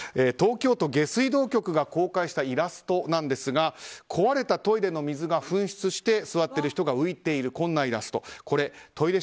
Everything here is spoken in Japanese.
東京都下水道局が公開したイラストなんですが壊れたトイレの水が噴出して座っている人が浮いているこんなイラスト。